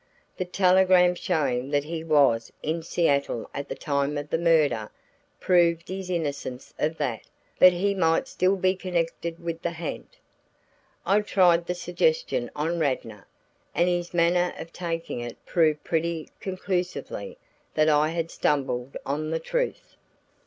The telegram showing that he was in Seattle at the time of the murder, proved his innocence of that, but he might still be connected with the ha'nt. I tried the suggestion on Radnor, and his manner of taking it proved pretty conclusively that I had stumbled on the truth.